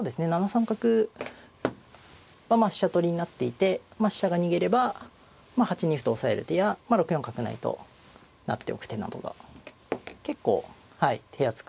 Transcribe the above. ７三角は飛車取りになっていて飛車が逃げれば８二歩と押さえる手や６四角成と成っておく手などが結構手厚くは見えますね。